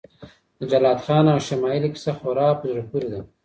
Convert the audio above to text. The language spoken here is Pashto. د جلات خان او شمایلې کیسه خورا په زړه پورې ده.